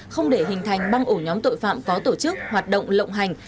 không để hình thành băng ổ nhóm tội phạm có tổ chức hoạt động lộng hành